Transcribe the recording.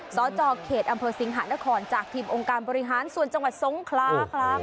สจเขตอำเภอสิงหานครจากทีมองค์การบริหารส่วนจังหวัดสงคลาครับ